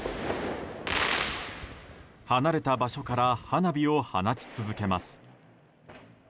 離れた場所から花火を放ち続けます。